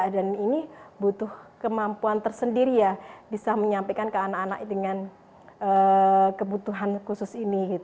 dan ini butuh kemampuan tersendiri ya bisa menyampaikan ke anak anak dengan kebutuhan khusus ini